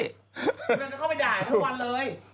นางจะเข้าไปด่ายทุกวันเลย